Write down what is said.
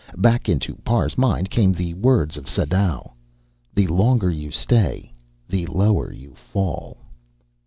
Back into Parr's mind came the words of Sadau: "The longer you stay ... the lower you fall."